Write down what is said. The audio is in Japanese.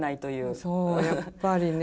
そうやっぱりね。